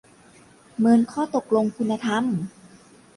เมินข้อตกลงคุณธรรม ?